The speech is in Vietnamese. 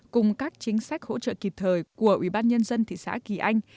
cùng các chính sách hỗ trợ kịp thời của ubnd thị xã kỳ anh